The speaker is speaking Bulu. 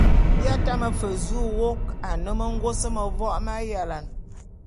Bi tame fe zu wôk ane mengôs mevok m'ayalane.